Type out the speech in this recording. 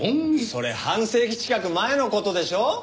それ半世紀近く前の事でしょ？